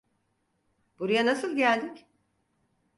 Buraya nasıl geldik?